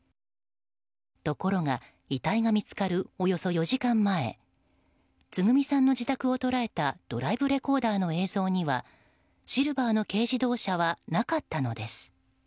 ところが、遺体が見つかるおよそ４時間前つぐみさんの自宅を捉えたドライブレコーダーの映像にはシルバーの軽自動車はなかったのです。